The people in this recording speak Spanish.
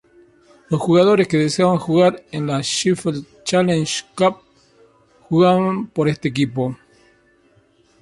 Los jugadores que deseaban jugar en la Sheffield Challenge Cup jugaban por este equipo.